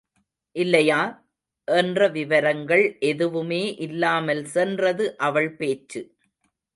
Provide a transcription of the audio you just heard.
இல்லையா? என்ற விவரங்கள் எதுவுமே இல்லாமல் சென்றது அவள் பேச்சு.